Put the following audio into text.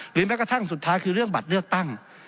แม้กระทั่งสุดท้ายคือเรื่องบัตรเลือกตั้ง